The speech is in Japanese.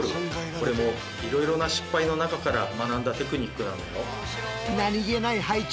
これもいろいろな失敗の中から学んだテクニックなんだよ。